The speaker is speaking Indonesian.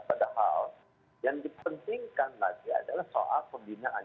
padahal yang dipentingkan lagi adalah soal pembinaan